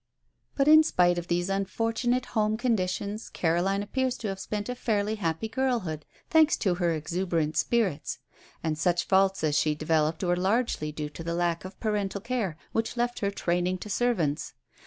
But in spite of these unfortunate home conditions Caroline appears to have spent a fairly happy girlhood, thanks to her exuberant spirits; and such faults as she developed were largely due to the lack of parental care, which left her training to servants.